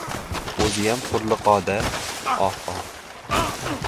— O‘ziyam huriliqo-da, oh-oh!